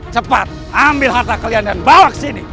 cepat ambil harta kalian dan bawa ke sini